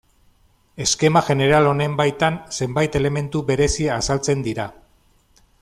Eskema jeneral honen baitan zenbait elementu berezi azaltzen dira.